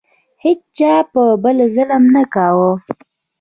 هیچا په بل ظلم نه کاوه.